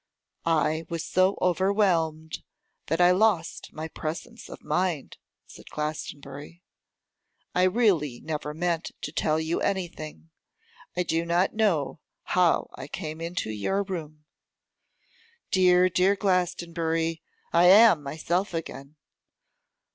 'I was so overwhelmed that I lost my presence of mind,' said Glastonbury. 'I really never meant to tell you anything. I do not know how I came into your room.' 'Dear, dear Glastonbury, I am myself again.